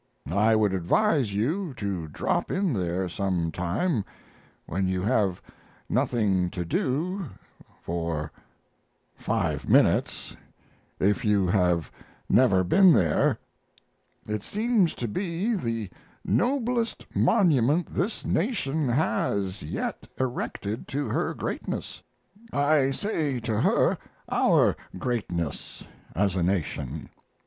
I would advise you to drop in there some time when you have nothing to do for five minutes if you have never been there. It seems to me the noblest monument this nation has, yet erected to her greatness. I say to her, our greatness as a nation.